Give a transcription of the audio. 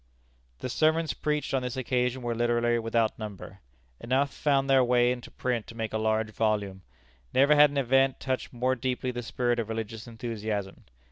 The sermons preached on this occasion were literally without number. Enough found their way into print to make a large volume. Never had an event touched more deeply the spirit of religious enthusiasm.